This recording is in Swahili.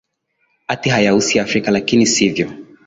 ati hayahusi afrika lakini sivyo